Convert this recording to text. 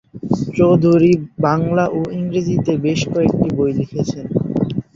চৌধুরী এবং বাংলা ও ইংরেজিতে বেশ কয়েকটি বই লিখেছেন।